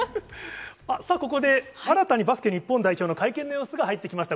さあ、ここで新たに、バスケ日本代表の会見の様子が入ってきました。